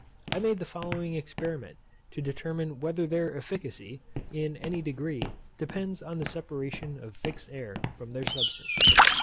I made the following experiment, to determine whether their efficacy, in any degree, depends on the separation of fixed air from their substance.